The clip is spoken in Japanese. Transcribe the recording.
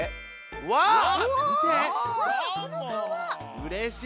うれしい。